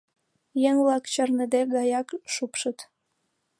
Еҥ-влак чарныде гаяк шупшыт.